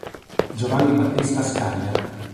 Giovanni Battista Scaglia